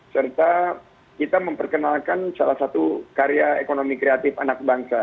serta kita memperkenalkan salah satu karya ekonomi kreatif anak bangsa